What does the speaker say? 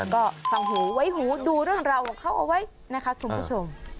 ก็ฟังหูไว้หูดูเรื่องราวของเขาเอาไว้นะคะคุณผู้ชม